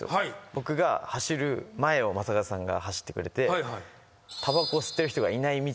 僕が走る前を雅和さんが走ってくれて。